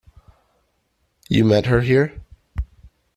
You met her here?